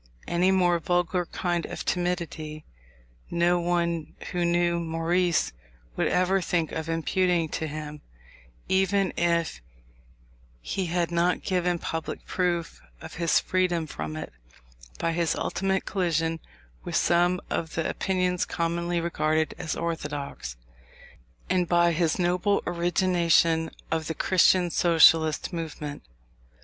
Any more vulgar kind of timidity no one who knew Maurice would ever think of imputing to him, even if he had not given public proof of his freedom from it, by his ultimate collision with some of the opinions commonly regarded as orthodox, and by his noble origination of the Christian Socialist movement.